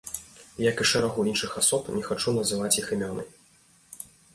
Як і шэрагу іншых асоб, не хачу называць іх імёны.